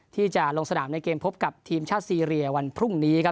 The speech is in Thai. ที่จะลงสนามในเกมพบกับทีมชาติซีเรียวันพรุ่งนี้ครับ